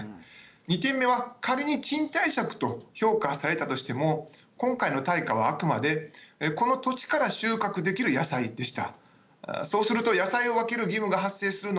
２点目は仮に賃貸借と評価されたとしても今回の対価はあくまでこの土地から収穫できる野菜でした。